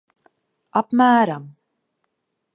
Apmēram.